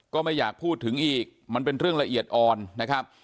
ก็ไม่อยากพูดถึงอีกมันเป็นเรื่องละเอียดอ่อนนะครับ